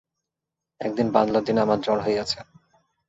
একদিন বাদলার দিনে আমার জ্বর হইয়াছে।